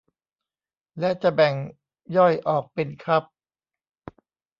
และจะแบ่งย่อยออกเป็นคัพ